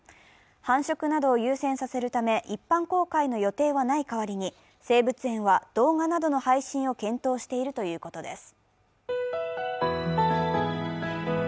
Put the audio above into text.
繁殖などを優先させるため、一般公開の予定はない代わりに生物園は動画などの配信を検討しているということです。